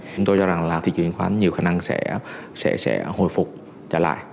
chúng tôi cho rằng là thị trường chứng khoán nhiều khả năng sẽ hồi phục trở lại